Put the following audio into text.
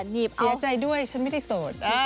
หนีบเสียใจด้วยฉันไม่ได้โสด